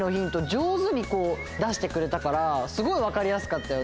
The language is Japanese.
じょうずに出してくれたからすごいわかりやすかったよね。